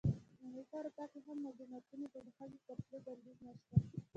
امریکا او اروپا کې هم جومات ته د ښځو پر تلو بندیز نه شته.